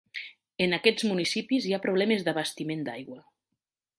En aquests municipis hi ha problemes d'abastiment d'aigua.